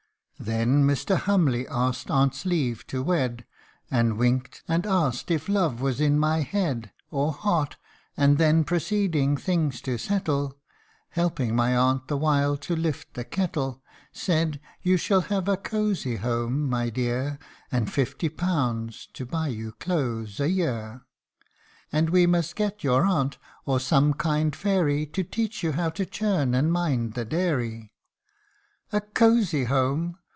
Then Mr. Hurnley asked aunt's leave to wed, And winked, and asked if love was in my head, Or heart ; and then proceeding things to settle, (Helping my aunt the while to lift the kettle,) Said, " you shall have a cozy home, my dear, And fifty pounds (to buy you clothes) a year. RECOLLECTIONS OF A FADED BEAUTY. And we must get your aunt, or some kind fairy To teach you how to churn and mind the dairy." ' A coxy home